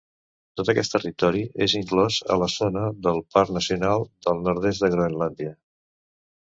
Tot aquest territori és inclòs en la zona del Parc Nacional del Nord-est de Groenlàndia.